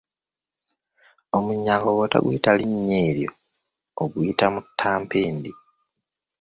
Omwennyango bw'otaguyita linnya eryo oguyita muttampindi.